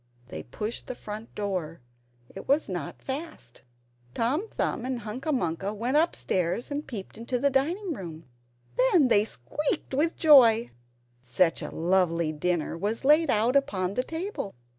They pushed the front door it was not fast. Tom Thumb and Hunca Munca went upstairs and peeped into the dining room. Then they squeaked with joy! Such a lovely dinner was laid out upon the table!